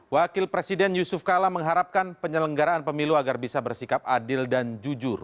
wakil presiden yusuf kala mengharapkan penyelenggaraan pemilu agar bisa bersikap adil dan jujur